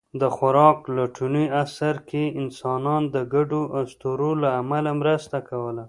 د خوراک لټوني عصر کې انسانان د ګډو اسطورو له امله مرسته کوله.